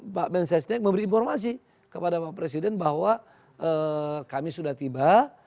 pak mensesnek memberi informasi kepada pak presiden bahwa kami sudah tiba